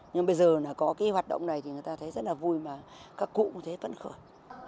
nhưng bây giờ là có cái hoạt động này thì người ta thấy rất là vui mà các cụ cũng thấy vấn khởi